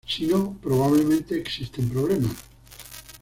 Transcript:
Si no, probablemente existen problemas.